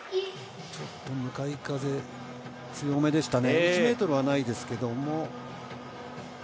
ちょっと向かい風強めでしたね、８ｍはないですけども。